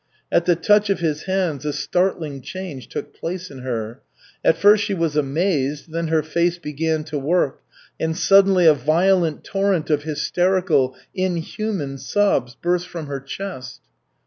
At the touch of his hands a startling change took place in her. At first she was amazed, then her face began to work, and suddenly a violent torrent of hysterical, inhuman sobs burst from her chest.